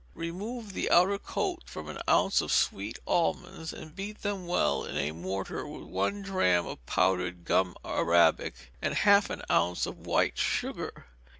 Remove the outer coat from an ounce of sweet almonds, and beat them well in a mortar with one drachm of powdered gum arabic, and half an ounce of white sugar.